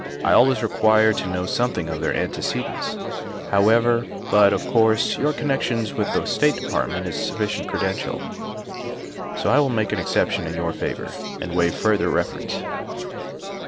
I always require to know some thing of their antecedents, however, but, of course, your connection with the State Department is a sufficient cre dential, so I will make an exception in your favor and waive further reference."